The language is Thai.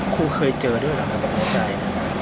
กูเคยเจอด้วยเหรอ